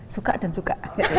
suka dan suka